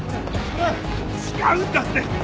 違うんだって！